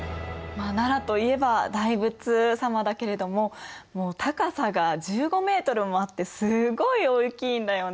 まあ奈良といえば大仏様だけれどももう高さが１５ｍもあってすごい大きいんだよね。